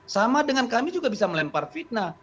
sama dengan kami juga bisa melempar fitnah